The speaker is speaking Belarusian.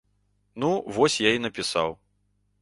Ну, вось я і напісаў.